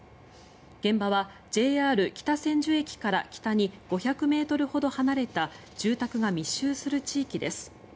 現場はＪＲ北千住駅から北に５００ｍほど離れた住宅が密集する地域です。